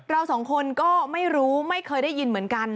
เราสองคนก็ไม่รู้ไม่เคยได้ยินเหมือนกัน